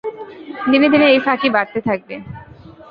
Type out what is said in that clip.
দিনে দিনে এই ফাঁকি বাড়তে থাকবে।